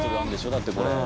だってこれ。